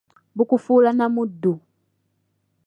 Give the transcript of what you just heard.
Bukufuula na muddu.